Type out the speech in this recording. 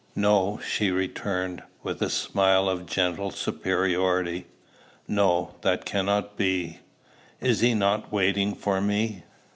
"No," she returned, with a smile of gentle superiority; "no: that cannot be. Is he not waiting for me?